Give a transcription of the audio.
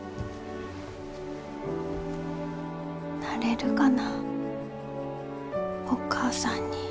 なれるかなお母さんに。